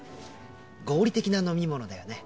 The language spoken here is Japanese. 合理的な飲み物だよね？